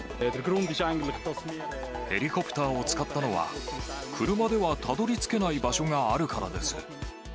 ヘリコプターを使ったのは、車ではたどりつけない場所があるからです。